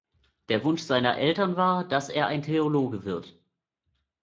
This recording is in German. Der Wunsch seiner Eltern war, dass er ein Theologe wird.